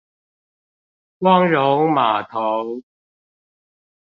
光榮碼頭